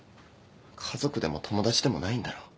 家族でも友達でもないんだろ。